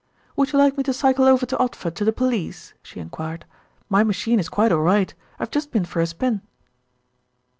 "Would you like me to cycle over to Odford to the police?" she enquired. "My machine is quite all right. I have just been for a spin."